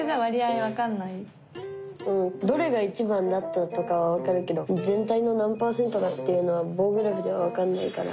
どれが一番だったとかはわかるけど全体の何パーセントかっていうのは棒グラフではわかんないかな。